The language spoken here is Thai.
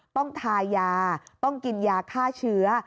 ต้องทายาต้องกินยาฆ่าเชื้อ